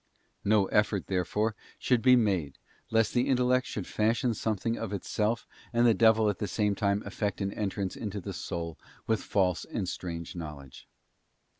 No effort, therefore, should be made, lest the intellect should fashion something of itself, and the devil at the same time effect an entrance into the soul with false and strange know ledge.